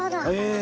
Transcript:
え！